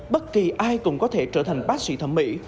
bất kỳ ai cũng có thể trở thành bác sĩ thẩm mỹ